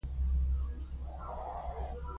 ده کوونکو لپاره د پخلي په یوه ځانګړي پروګرام